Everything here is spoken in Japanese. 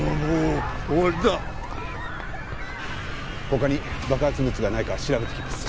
他に爆発物がないか調べてきます。